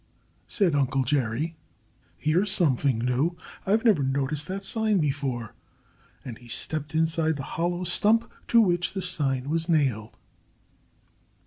said Uncle Jerry. "Here's something new! I've never noticed that sign before." And he stepped inside the hollow stump to which the sign was nailed.